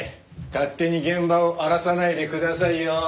勝手に現場を荒らさないでくださいよ。